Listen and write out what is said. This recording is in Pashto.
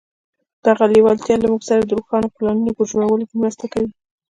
دغه لېوالتیا له موږ سره د روښانه پلانونو په جوړولو کې مرسته کوي.